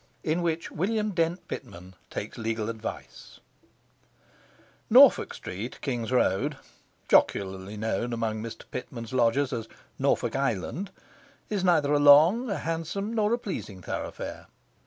In Which William Dent Pitman takes Legal Advice Norfolk Street, King's Road jocularly known among Mr Pitman's lodgers as 'Norfolk Island' is neither a long, a handsome, nor a pleasing thoroughfare.